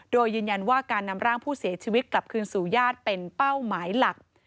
โดยยืนยันว่าการนำร่างผู้เสียชีวิตกลับคืนสู่ญาติเป็นเป้าหมายหลัก